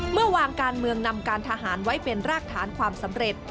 เมื่อวานการเมืองนำการทหารไว้เป็นรากฐานความสำเร็จ